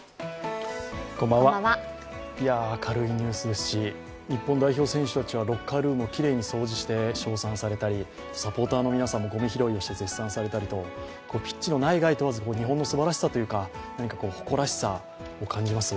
明るいニュースですし、日本代表選手たちがロッカールームをきれいに掃除して賞賛されたりサポーターの皆さんもゴミ拾いをして称賛されたりピッチの内外問わず、日本のすばらしさというか、誇らしさを感じます。